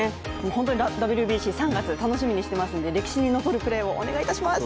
本当にＷＢＣ、３月楽しみにしていますので歴史に残るプレーをお願いします。